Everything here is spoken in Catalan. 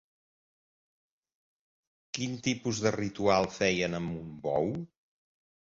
Qui tipus de ritual feien amb un bou?